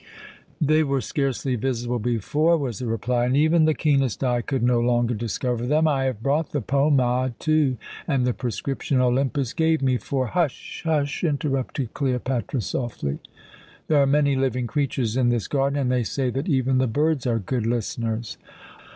"They were scarcely visible before," was the reply, "and even the keenest eye could no longer discover them. I have brought the pomade, too, and the prescription Olympus gave me for " "Hush, hush!" interrupted Cleopatra softly. "There are many living creatures in this garden, and they say that even the birds are good listeners."